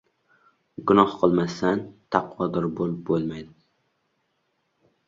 • Gunoh qilmasdan taqvodor bo‘lib bo‘lmaydi.